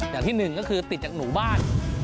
อย่างที่หนึ่งก็คือติดจากหนูบ้าน